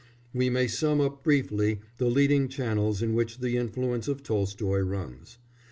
We may sum up briefly the leading channels in which the influence of Tolstoy runs.